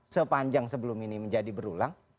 sepanjang sebelum ini menjadi berulang